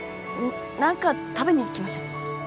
何か食べに行きません？